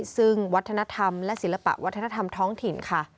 ซึ่งวัฒนธรรมและศิลปะวัฒนธรรมท้องถิ่นค่ะ